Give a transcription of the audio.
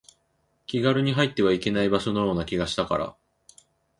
気軽に入ってはいけない場所のような気がしたから